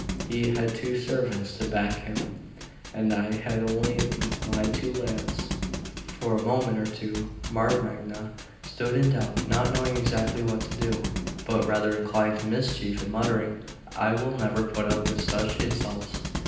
He had two servants to back him, and I had my two lads. For a moment or two Marmagna stood in doubt, not knowing exactly what to do, but rather inclined to mischief, and muttering: "I will never put up with such insults."